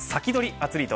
アツリート